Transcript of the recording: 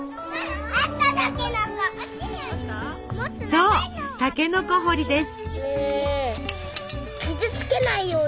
そうたけのこ掘りです。